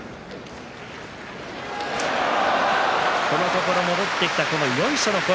このところ戻ってきたヨイショの声。